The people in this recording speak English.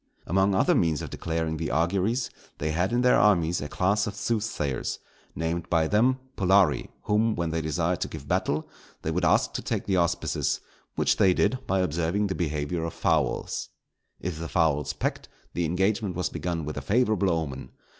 Among other means of declaring the auguries, they had in their armies a class of soothsayers, named by them pullarii, whom, when they desired to give battle, they would ask to take the auspices, which they did by observing the behaviour of fowls. If the fowls pecked, the engagement was begun with a favourable omen.